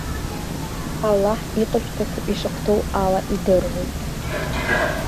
Аллаҳ иҟашәҵақәо ишахәҭоу ала идыруеит.